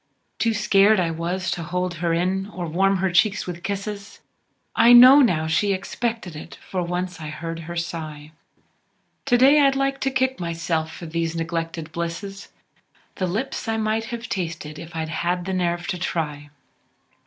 Too scared was I to hold her in, or warm her cheeks with kisses, I know, now, she expected it, for once I heard her sigh To day I'd like t' kick myself for these neglected blisses, The lips I might have tasted if I'd had the nerve t' try.